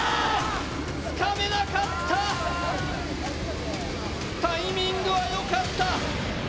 つかめなかった、タイミングはよかった。